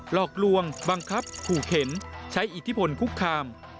หลอกลวงบังคับขู่เข็นใช้อิทธิพลคุกคาม